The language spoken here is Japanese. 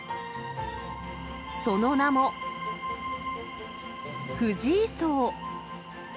その名も、藤井荘。